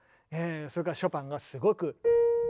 それからショパンがすごく。